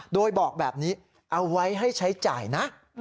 โดยบอกแบบนี้เอาไว้ให้ใช้จ่ายนะ